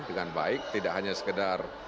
dengan baik tidak hanya sekedar